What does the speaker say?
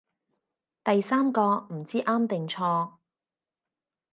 第三個唔知啱定錯